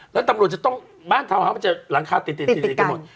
แล้วตำลวงจะต้องบ้านเท่าไหร่มันจะหลังคาติดติดติดกัน